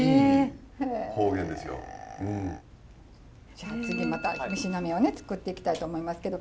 じゃあ次また二品目を作っていきたいと思いますけど。